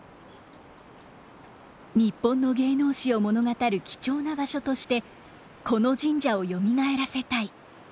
日本の芸能史を物語る貴重な場所としてこの神社をよみがえらせたい。